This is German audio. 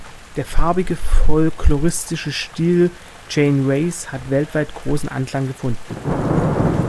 Der farbige, folkloristische Stil Jane Rays hat weltweit großen Anklang gefunden.